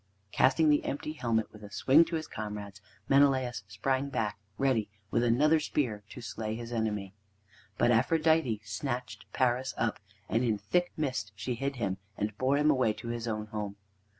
Casting the empty helmet, with a swing, to his comrades, Menelaus sprang back, ready, with another spear, to slay his enemy. But Aphrodite snatched Paris up, and in thick mist she hid him, and bore him away to his own home.